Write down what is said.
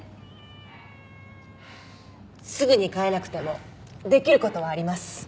すぐに飼えなくてもできる事はあります。